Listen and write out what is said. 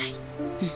うん。